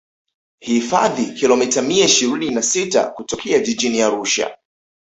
hifadhi kilomita mia ishirini na sita kutokea jijini arusha